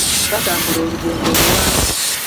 Twatambula olugendo luwanvu.